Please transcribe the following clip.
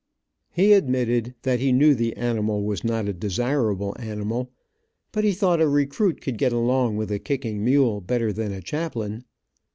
He admitted that he knew the animal was not a desirable animal, but he thought a recruit could get along with a kicking mule better than a chaplain.